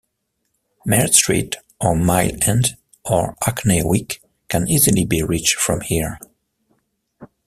Mare Street or Mile End or Hackney Wick can easily be reached from here.